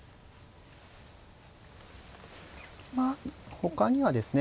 ほかにはですね